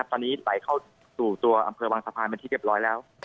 ตอนนี้ไหลเข้าสู่ตัวอำเภอบางสะพานเป็นที่เรียบร้อยแล้ว